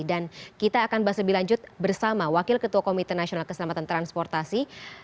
dan kita akan bahas lebih lanjut bersama wakil ketua komite nasional keselamatan transportasi